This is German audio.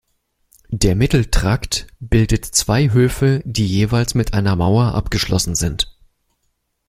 Der Mitteltrakt bildet zwei Höfe, die jeweils mit einer Mauer abgeschlossen sind.